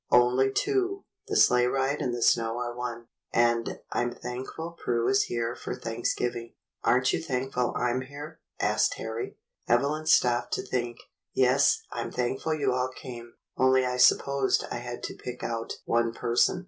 "Only two. The sleigh ride and the snow are one; and I'm thankful Prue is here for Thanksgiving." "Aren't you thankful I'm here?" asked Harry. Evelyn stopped to think. "Yes, I'm thankful you all came, only I supposed I had to pick out one per son.